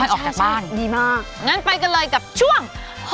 แยบมากยังใจกันเลยกับช่วง